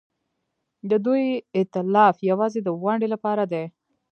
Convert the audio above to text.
د دوی ائتلاف یوازې د ونډې لپاره دی.